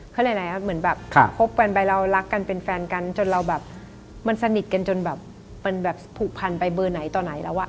เหตุผู้หญิงและพวกเรารักกันเป็นแฟนกันจนสนิทกันจนผูกพันกันไปเบอร์ไหนต่อไหนแล้ว